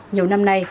nhiều năm nay